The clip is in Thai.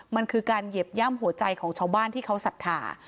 มันคือการเหยียบย่ำหัวใจของชาวบ้านที่เขาศรัทธา